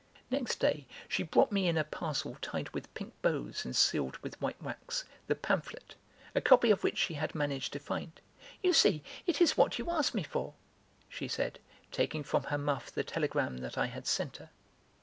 Next day she brought me in a parcel tied with pink bows and sealed with white wax, the pamphlet, a copy of which she had managed to find. "You see, it is what you asked me for," she said, taking from her muff the telegram that I had sent her.